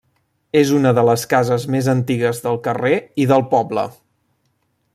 És una de les cases més antigues del carrer i del poble.